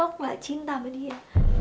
aku gak cinta sama dia